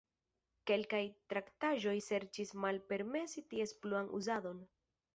Kelkaj traktaĵoj serĉis malpermesi ties pluan uzadon.